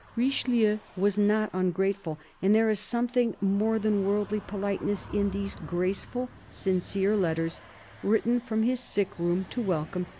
Richelieu was not ungrateful, and there is something more than worldly politeness in these graceful, sincere letters, written from his sick room to welcome M.